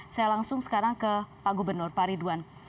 saya langsung sekarang ke pak gubernur pari dwan